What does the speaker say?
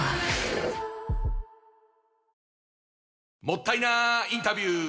もったいなインタビュー！